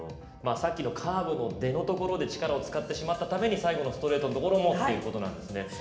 さっきのカーブの出の所で力を使ってしまったために最後のストレートのところもということなんですね。